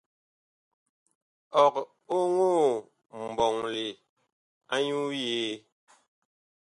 Ɔg oŋoo mɓɔŋle anyuu yee ?